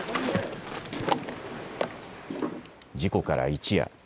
事故から一夜。